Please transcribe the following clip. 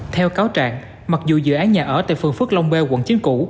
theo cáo trạng mặc dù dự án nhà ở tại phường phước long b quận chín củ